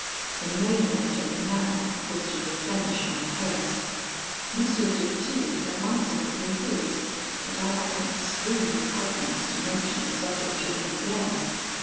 "The main object now was to replenish my purse. M. de T had once offered me his, but I had an extreme repugnance to mention the subject to him again.